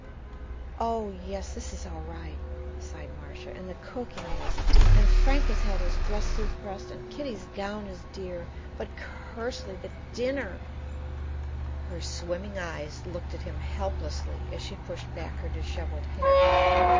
"Oh, yes, this is all right," sighed Marcia, "and the cooking is, and Frank has had his dress suit pressed and Kitty's gown is dear. But, Kersley, the dinner!" Her swimming eyes looked at him helplessly as she pushed back her disheveled hair.